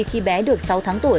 khi bé được sáu tháng tuổi